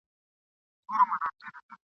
هر یو مکر یې جلاوو آزمېیلی !.